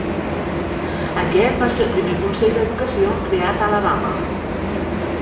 Aquest va ser el primer consell d"educació creat a Alabama.